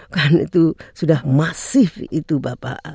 kan itu sudah masif itu bapak